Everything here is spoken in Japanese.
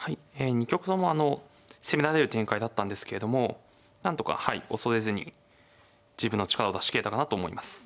２局とも攻められる展開だったんですけれどもなんとかはい恐れずに自分の力を出しきれたかなと思います。